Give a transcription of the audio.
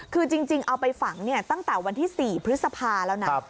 คือจริงเอาไปฝังตั้งแต่วันที่๔พฤษภาแล้วนะ